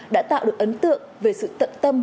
đã tạo được ấn tượng về sự tận tâm